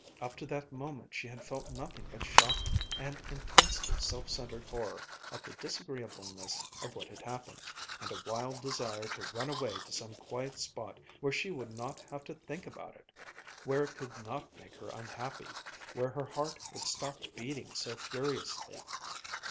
Up to that moment, she had felt nothing but shocked and intensely self centered horror at the disagreeableness of what had happened, and a wild desire to run away to some quiet spot where she would not have to think about it, where it could not make her unhappy, where her heart would stop beating so furiously.